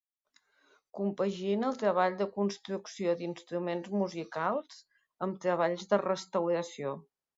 Compagina el treball de construcció d’instruments musicals amb treballs de restauració.